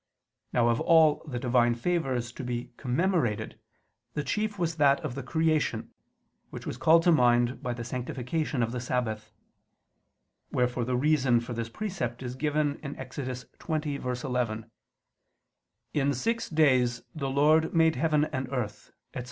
Now of all the Divine favors to be commemorated the chief was that of the Creation, which was called to mind by the sanctification of the Sabbath; wherefore the reason for this precept is given in Ex. 20:11: "In six days the Lord made heaven and earth," etc.